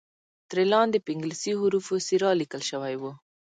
ترې لاندې په انګلیسي حروفو سیرا لیکل شوی وو.